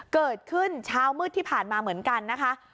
เกิดขึ้นเช้ามืดที่ผ่านมาเหมือนกันนะคะ